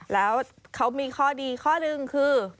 แล้วเขามีข้อดีข้อหนึ่งคือ